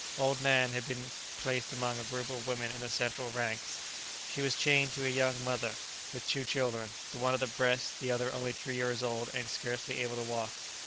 Old Nan had been placed amongst a group of women in the central ranks. She was chained to a young mother with two children, the one at the breast, the other only three years old, and scarcely able to walk.